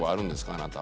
あなた。